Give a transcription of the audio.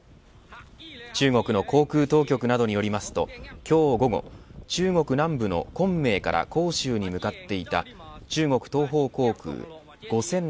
中国の航空当局などによりますと今日午後、中国南部の昆明から広州に向かっていた中国東方航空５７３５